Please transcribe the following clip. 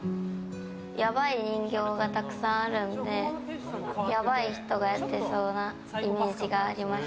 やばい人形がたくさんあるのでやばい人がやってそうなイメージがあります。